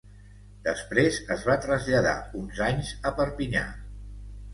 Després es va traslladar uns anys a Perpinyà.